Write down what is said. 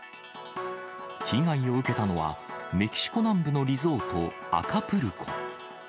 被害を受けたのは、メキシコ南部のリゾート、アカプルコ。